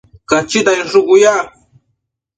Cachita inshucu ya